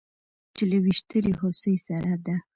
چې له ويشتلې هوسۍ سره د